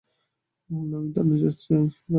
আমি থানায় যাচ্ছি, তারা।